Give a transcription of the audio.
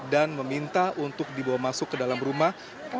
dan meminta untuk dibawa masuk ke dalam rumah